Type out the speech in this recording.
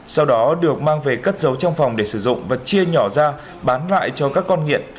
sau đó được mang về cất giấu trong phòng để sử dụng và chia nhỏ ra bán lại cho các con nghiện